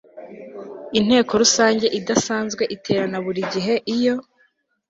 inteko rusange idaasanzwe iterana buri gihe iyo